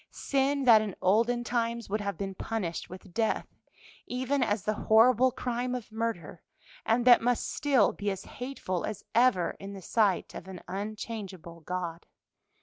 sin that in olden times would have been punished with death, even as the horrible crime of murder, and that must still be as hateful as ever in the sight of an unchangeable God.